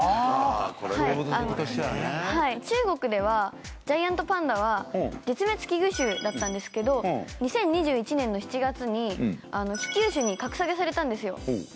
中国ではジャイアントパンダは絶滅危惧種だったんですけど２０２１年の７月に危急種に格下げされたんですよ。